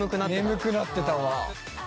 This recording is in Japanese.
眠くなってたわ。